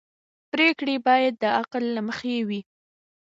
پرېکړې باید د عقل له مخې وي